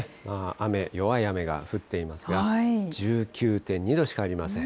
雨、弱い雨が降っていますが、１９．２度しかありません。